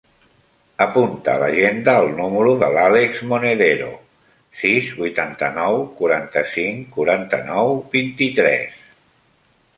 Apunta a l'agenda el número de l'Àlex Monedero: sis, vuitanta-nou, quaranta-cinc, quaranta-nou, vint-i-tres.